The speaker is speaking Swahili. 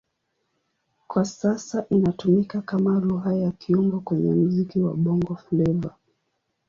Kwa sasa inatumika kama Lugha ya kiungo kwenye muziki wa Bongo Flava.